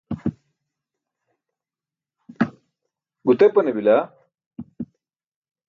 gutepane bila